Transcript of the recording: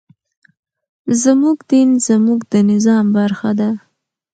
زموږ دين زموږ د نظام برخه ده.